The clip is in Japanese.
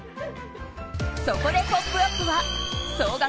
そこで「ポップＵＰ！」は総額